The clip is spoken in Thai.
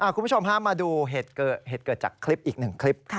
คุณผู้ชมฮะมาดูเหตุเกิดจากคลิปอีกหนึ่งคลิป